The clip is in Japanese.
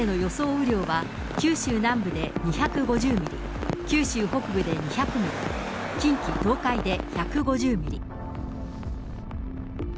雨量は、九州南部で２５０ミリ、九州北部で２００ミリ、近畿、東海で１５０ミリ。